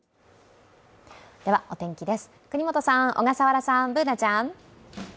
お天気です、國本さん、小笠原さん、Ｂｏｏｎａちゃん。